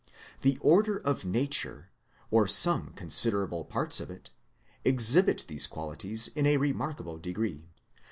The order of Nature, or some con siderable parts of it, exhibit these qualities in a remarkable degree.